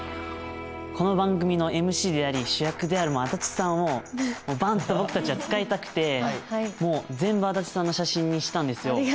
この番組のＭＣであり主役である足立さんをバンッと僕たちは使いたくてもう全部足立さんの写真にしたんですよ。